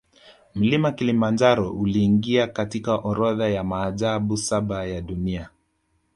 Mlima kilimanjaro uliingia katika orodha ya maajabu saba ya dunia